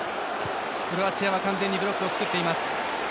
クロアチアは完全にブロックを作っています。